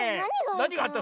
なにがあった？